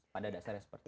pada dasarnya seperti itu